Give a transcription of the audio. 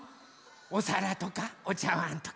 おさらとかおちゃわんとか。